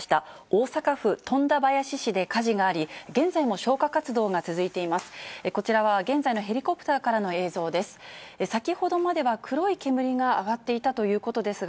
大阪府富田林市で火事があり、現在も消火活動が続いています。